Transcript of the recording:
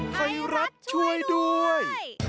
ไทยรัฐช่วยด้วย